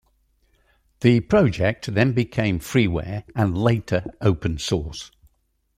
The project then became freeware and later open source.